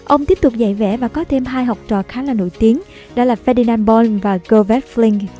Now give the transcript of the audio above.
ông tiếp tục dạy vẽ và có thêm hai học trò khá là nổi tiếng đó là ferdinand bonn và govert flinck